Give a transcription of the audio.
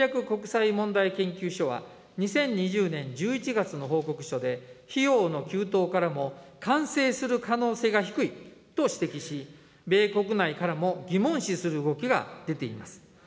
国際問題研究所は、２０２０年１１月の報告書で、費用の急騰からも完成する可能性が低いと指摘し、米国内からも疑問視する動きが出ています。